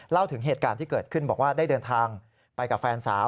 เล่าถึงเหตุการณ์ที่เกิดขึ้นบอกว่าได้เดินทางไปกับแฟนสาว